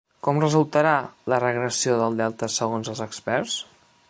Com resultarà la regressió del delta segons els experts?